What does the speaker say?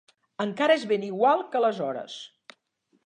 Encara és ben igual que aleshores.